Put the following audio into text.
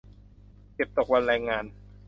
เก็บตกวันแรงงาน